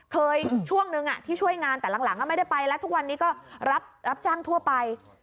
ช่วงนึงที่ช่วยงานแต่หลังไม่ได้ไปแล้วทุกวันนี้ก็รับจ้างทั่วไป